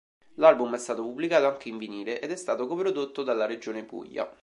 L'album è stato pubblicato anche in vinile ed è stato co-prodotto dalla regione Puglia.